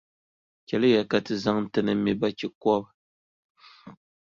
Chɛliya ka ti zaŋ ti ni mi bachikɔbʼ.